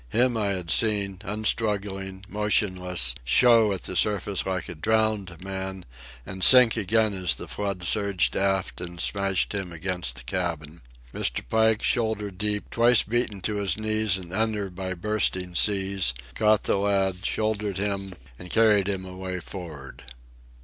Him I had seen, unstruggling, motionless, show at the surface like a drowned man and sink again as the flood surged aft and smashed him against the cabin. Mr. Pike, shoulder deep, twice beaten to his knees and under by bursting seas, caught the lad, shouldered him, and carried him away for'ard.